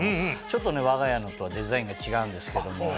ちょっとねわが家のとはデザインが違うんですけども。